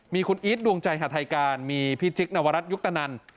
มีคุณอีทดวงใจหาทัยการมีพี่จิ๊กนวรัฐยุคตนัน